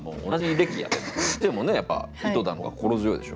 先生もねやっぱ井戸田の方が心強いでしょ？